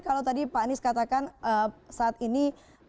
kalau tadi pak anies katakan saat ini